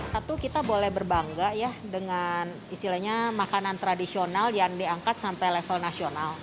satu kita boleh berbangga ya dengan istilahnya makanan tradisional yang diangkat sampai level nasional